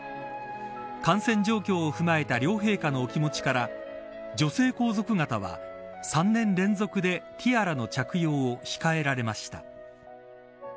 感染状況を踏まえた両陛下のお気持ちから女性皇族方は３年連続でティアラの着用を控えられました。